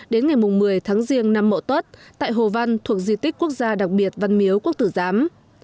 đến ngày một mươi tháng riêng năm mậu tuất tại hồ văn thuộc di tích quốc gia đặc biệt văn miếu quốc tử giám